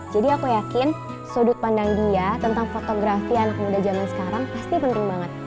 jadi aku yakin sudut pandang dia tentang fotografi anak muda zaman sekarang pasti penting banget